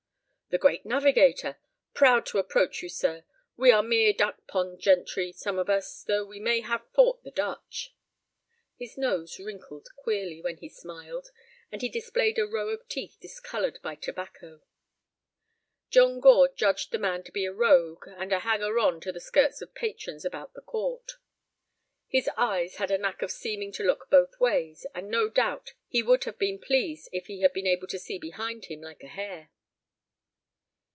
"The great navigator! Proud to approach you, sir; we are mere duck pond gentry, some of us, though we may have fought the Dutch." His nose wrinkled queerly when he smiled, and he displayed a row of teeth discolored by tobacco. John Gore judged the man to be a rogue, and a hanger on to the skirts of patrons about the court. His eyes had a knack of seeming to look both ways, and no doubt he would have been pleased if he had been able to see behind him like a hare.